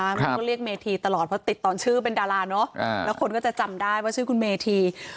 มันก็เรียกเมธีตลอดเพราะติดตอนชื่อเป็นดาราเนอะแล้วคนก็จะจำได้ว่าชื่อคุณเมธี